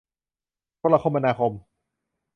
โทรคมนาคม